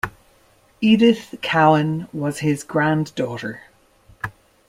Edith Cowan was his granddaughter.